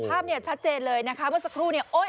ภาพชัดเจนเลยนะครับว่าสักครู่